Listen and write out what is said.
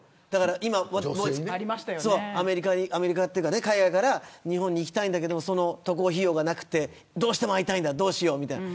今、アメリカというか海外から日本に行きたいけど渡航費用がなくてどうしても会いたいどうしようみたいな。